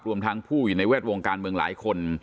รวมทั้งผู้อยู่ในแวดวงการเมืองหลายคน